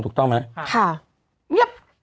ถูกต้องไหม